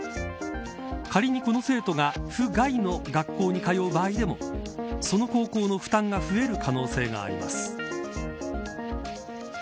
仮にこの生徒が府外の学校に通う場合でもその高校の負担が増える可能性があります。